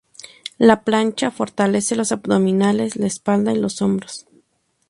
La plancha fortalece los abdominales, la espalda y los hombros.